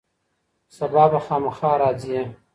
سبا به خامخا راځي.